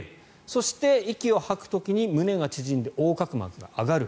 そして息を吐く時に胸が縮んで横隔膜が上がる。